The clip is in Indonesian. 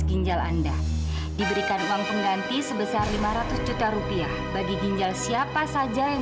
ginjal anda diberikan uang pengganti sebesar lima ratus juta rupiah bagi ginjal siapa saja yang